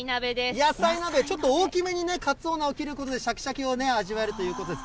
野菜鍋、ちょっと大きめにね、かつお菜を切ることで、しゃきしゃき感を味わえるということです。